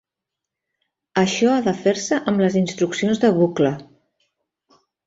Això ha de fer-se amb les instruccions de bucle.